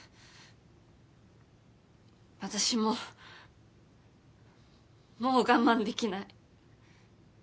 私ももう我慢できない。